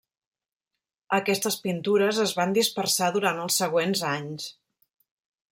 Aquestes pintures es van dispersar durant els següents anys.